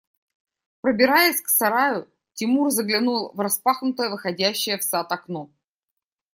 Пробираясь к сараю, Тимур заглянул в распахнутое, выходящее в сад окно.